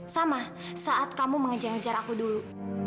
sama saat kamu mengejar ngejar aku dulu